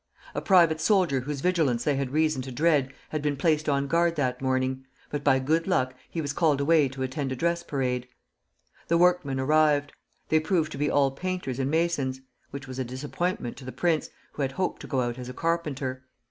A private soldier whose vigilance they had reason to dread had been placed on guard that morning, but by good luck he was called away to attend a dress parade. "The workmen arrived. They proved to be all painters and masons, which was a disappointment to the prince, who had hoped to go out as a carpenter.